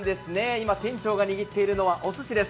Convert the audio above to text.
今、店長が握っているのはおすしです。